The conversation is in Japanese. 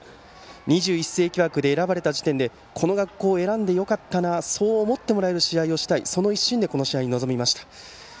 ２１世紀枠で選ばれた時点でこの学校を選んでよかったなとそう思ってもらえる試合をしたいその一心でこの試合に臨みました。